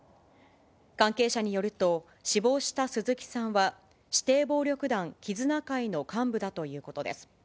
関係者によると、死亡した鈴木さんは、指定暴力団絆会の幹部だということです。